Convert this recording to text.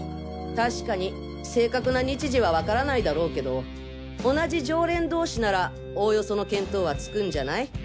確かに正確な日時はわからないだろうけど同じ常連同士ならおおよその見当はつくんじゃない？